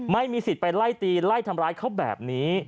ไม่มีสิทธิ์ไปไล่ตีไล่ทำร้ายเขาแบบนี้